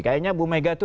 kayaknya ibu mega itu